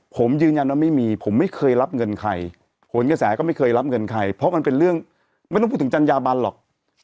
ผมยืนยันว่าไม่มีผมไม่เคยรับเงินใครผลกระแสก็ไม่เคยรับเงินใครเพราะมันเป็นเรื่องไม่ต้องพูดถึงจัญญาบันหรอก